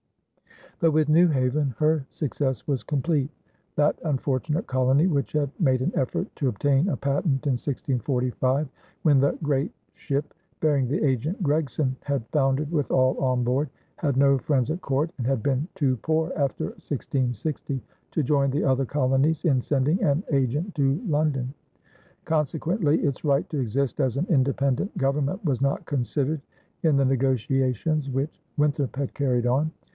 But with New Haven her success was complete. That unfortunate colony, which had made an effort to obtain a patent in 1645, when the "great ship," bearing the agent Gregson, had foundered with all on board, had no friends at court, and had been too poor after 1660 to join the other colonies in sending an agent to London. Consequently its right to exist as an independent government was not considered in the negotiations which Winthrop had carried on.